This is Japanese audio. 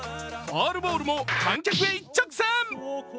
ファウルボールも観客へ一直線！